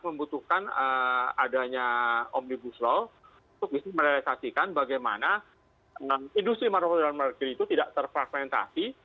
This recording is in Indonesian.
membutuhkan adanya omnibus law untuk bisa merealisasikan bagaimana industri manufak dalam negeri itu tidak terfragmentasi